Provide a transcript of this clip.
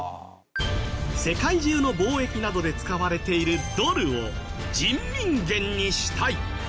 世界中の貿易などで使われているドルを人民元にしたい。